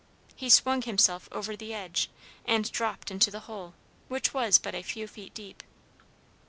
He swung himself over the edge, and dropped into the hole, which was but a few feet deep.